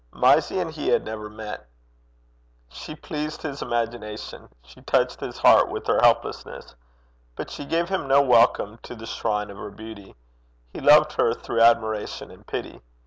Mysie and he had never met. She pleased his imagination; she touched his heart with her helplessness; but she gave him no welcome to the shrine of her beauty: he loved through admiration and pity.